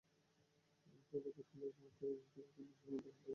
তবে খোদ হিলারির সমর্থকেরা বিষয়টিকে কোনো ইস্যুর মধ্যেই ফেলতে চাইছেন না।